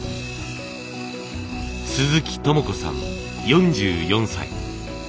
鈴木友子さん４４歳。